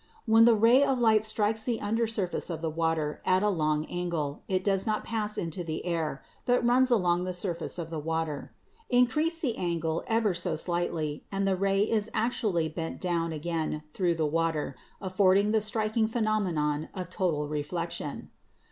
When the ray of light strikes the under surface of the water at a long angle it does not pass into the air, but runs along the surface of the water. Increase the angle ever so slightly, and the ray is actually bent down again through the water, affording the striking phenomenon of total reflection.